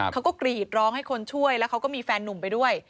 กรีดร้องให้คนช่วยแล้วเขาก็มีแฟนนุ่มไปด้วย